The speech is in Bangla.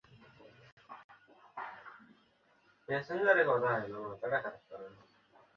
প্রতিরোধে এগিয়ে গেলে তাঁরা বিজিবির সদস্যদের লক্ষ্য করে ককটেলের বিস্ফোরণ ঘটান।